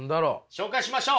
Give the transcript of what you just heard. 紹介しましょう。